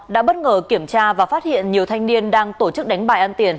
đã bất ngờ kiểm tra và phát hiện nhiều thanh niên đang tổ chức đánh bài ăn tiền